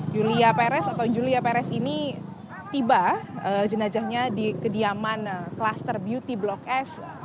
julia perez atau julia perez ini tiba jenazahnya di kediaman kluster beauty blok s